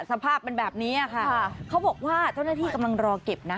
สภาพเป็นแบบนี้ค่ะเขาบอกว่าเจ้าหน้าที่กำลังรอเก็บนะ